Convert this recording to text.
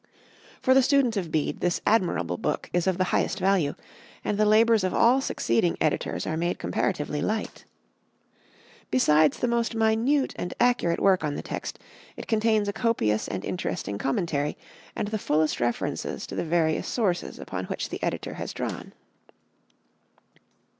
For the student of Bede this admirable book is of the highest value, and the labours of all succeeding editors are made comparatively light. Besides the most minute and accurate work on the text, it contains a copious and interesting commentary and the fullest references to the various sources upon which the editor has drawn.